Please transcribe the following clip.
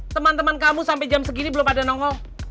teman teman kamu sampai jam segini belum pada nongol